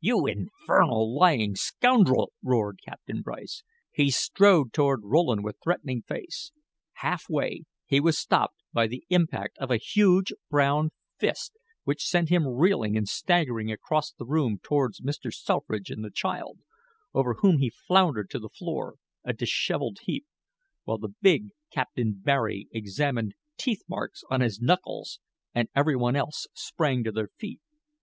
"You infernal, lying scoundrel!" roared Captain Bryce. He strode toward Rowland with threatening face. Half way, he was stopped by the impact of a huge brown fist which sent him reeling and staggering across the room toward Mr. Selfridge and the child, over whom he floundered to the floor a disheveled heap, while the big Captain Barry examined teeth marks on his knuckles, and every one else sprang to their feet.